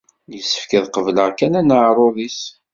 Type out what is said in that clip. Yessefk ad qebleɣ kan aneɛruḍ-is.